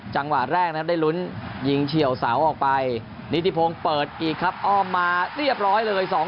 จังหวะแรกนะครับได้ลุ้นยิงเฉียวเสาออกไปนิติพงศ์เปิดอีกครับอ้อมมาเรียบร้อยเลย